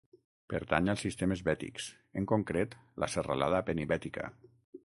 Pertany als sistemes Bètics, en concret la Serralada Penibètica.